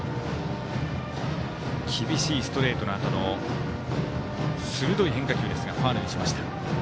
厳しいストレートのあとの変化球、ファウルにしました。